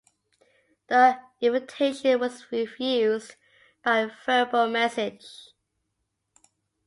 The invitation was refused by a verbal message.